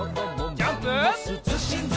ジャンプ！